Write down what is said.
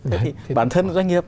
thế thì bản thân doanh nghiệp